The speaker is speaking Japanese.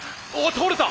倒れた！